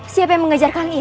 siapa yang mengejar kak iya